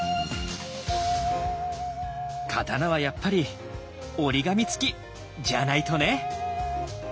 刀はやっぱり「折り紙つき」じゃないとね。